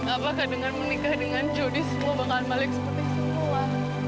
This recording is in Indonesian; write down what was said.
apakah dengan menikah dengan jody semua bakalan balik seperti semua